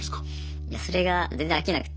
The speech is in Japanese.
いやそれが全然飽きなくて。